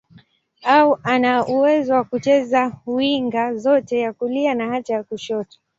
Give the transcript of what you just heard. Ana uwezo wa kucheza winga zote, ya kulia na hata ya kushoto.